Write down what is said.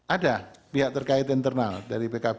ada pihak terkait internal dari pkb